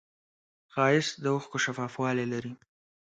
ښایست د اوښکو شفافوالی لري